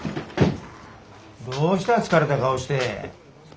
どうした疲れた顔して。